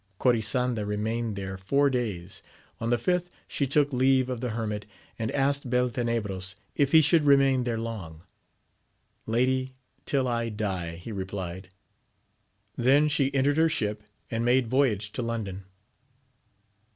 Corisanda remained there four days ; on the fifth she took leave of the hermit, and asked Beltenebros if he should remain there long ? Lady, till I die, he replied. Then she entered her ship, and made voyage to London.